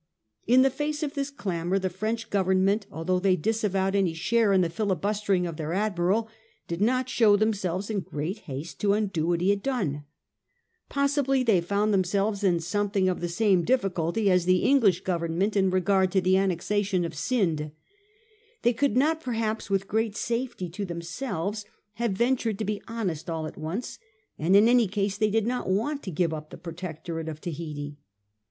In the face of this clamour the French Government, although they disavowed any share in the filibustering of their admiral, did not show them selves in great haste to undo what he had done. Possibly they found themselves in something of the same difficulty as the English Government in regard to the annexation of Scinde. They could not perhaps with great safety to themselves have ventured to be honest all at once ; and in any case they did not want to give up the protectorate of Tahiti.